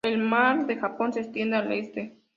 El mar de Japón se extiende al este.